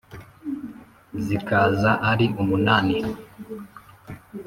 zikaza ari umunani